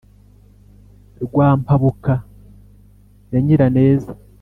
rwa mpabuka ya nyiraneza